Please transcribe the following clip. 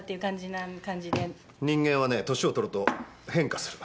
人間はね年を取ると変化する。